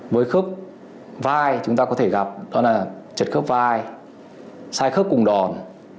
với khớp vai chúng ta có thể gặp đó là chật khớp vai sai khớp cùng đòn